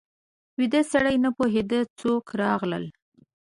ویده سړی نه پوهېږي څوک راغلل